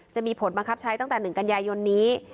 จะมีผลบังคับใช้ตั้งแต่๑กันยายนนี้